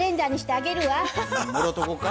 もろとこか？